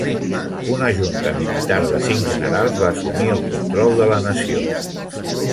Una junta militar de cinc generals va assumir el control de la nació.